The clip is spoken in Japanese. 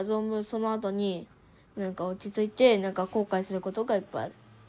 そのあとに何か落ち着いて何か後悔することがいっぱいある。